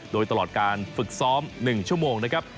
โดยตลอดการฝึกซ้อม๑ชั่วโมงนะครับ